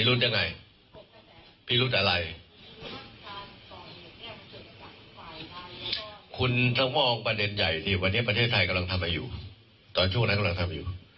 คุณต้องมองประเด็นใหญ่สิวันนี้ประเทศไทยกำลังทำอะไรอยู่ตอนช่วงนั้นกำลังทำอยู่